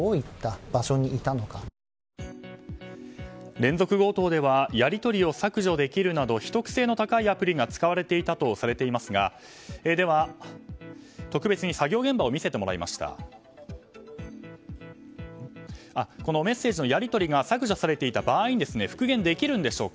連続強盗ではやり取りを削除できるなど秘匿性の高いアプリが使われていたとされていますがメッセージのやり取りが削除されていた場合復元できるんでしょうか。